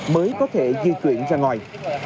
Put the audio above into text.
để có thể di chuyển ra ngoài